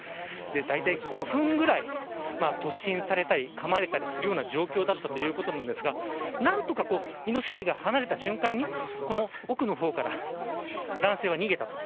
だいたい５分ぐらい突進されたりかまれたりする状況だったということですが何とかイノシシが離れた瞬間に奥の方から男性は逃げたと。